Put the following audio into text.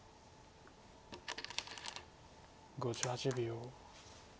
５８秒。